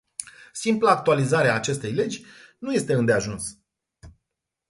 Simpla actualizare a acestei legi nu este îndeajuns.